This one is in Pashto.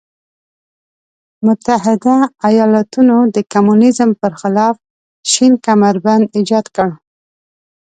متحده ایالتونو د کمونیزم پر خلاف شین کمربند ایجاد کړ.